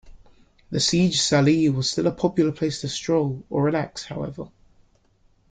The Siegesallee was still a popular place to stroll or relax, however.